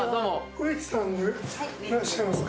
上地さんでいらっしゃいますか？